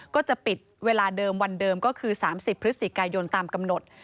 ก็จะปิดเวลาเดิมวันเดิมก็คือ๓๐พฤศจิกายนตามกำหนด